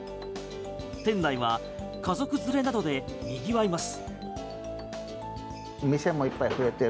店内は家族連れなどで賑わいます。